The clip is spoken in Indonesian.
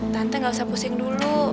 tante gak usah pusing dulu